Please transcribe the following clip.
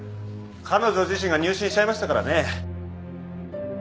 彼女自身が入信しちゃいましたからね。